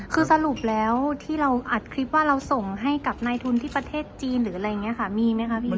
คือสรุปแล้วที่เราอัดคลิปว่าเราส่งให้กับนายทุนที่ประเทศจีนหรืออะไรอย่างนี้ค่ะมีไหมคะพี่